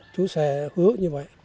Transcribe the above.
chú sẽ hứa như vậy